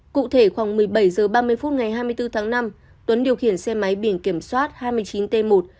cụ thể khoảng một mươi bảy h ba mươi ngày hai mươi bốn tháng năm tuấn điều khiển xe máy biển kiểm soát hai mươi chín t một sáu nghìn hai trăm một mươi năm